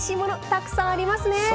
たくさんありますね。